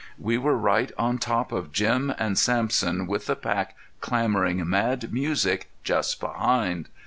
We were right on top of Jim and Sampson with the pack clamoring mad music just behind.